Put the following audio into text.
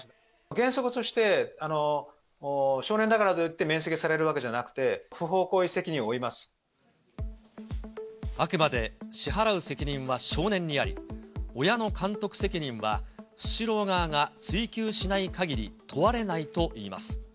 原則として、少年だからといって免責されるわけじゃなくて、不法行為責任を負あくまで支払う責任は少年にあり、親の監督責任はスシロー側が追及しないかぎり問われないといいます。